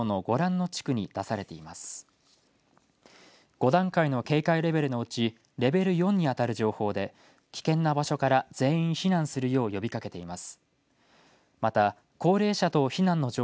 ５段階の警戒レベルのうちレベル４にあたる情報で危険な場所から全員避難するよう呼びかけています。